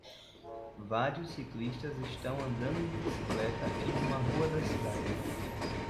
Vários ciclistas estão andando de bicicleta em uma rua da cidade.